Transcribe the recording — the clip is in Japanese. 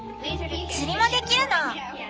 釣りもできるの。